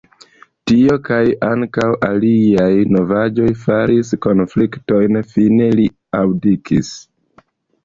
Tio kaj ankaŭ aliaj novaĵoj faris konfliktojn, fine li abdikis.